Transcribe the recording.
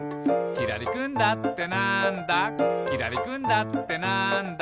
「きらりくんだってなんだ？」